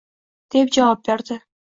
deb javob berdi